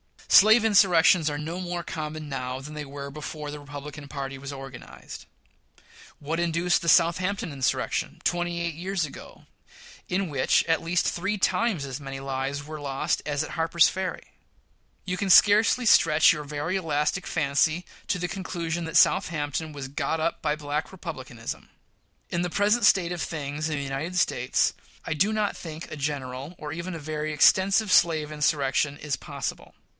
Slave insurrections are no more common now than they were before the Republican party was organized. What induced the Southampton insurrection, twenty eight years ago, in which, at least, three times as many lives were lost as at Harper's Ferry? You can scarcely stretch your very elastic fancy to the conclusion that Southampton was "got up by Black Republicanism." In the present state of things in the United States, I do not think a general or even a very extensive slave insurrection is possible.